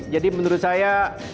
jadi menurut saya